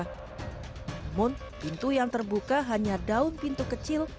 namun pintu yang terbuka hanya daun pintu kecil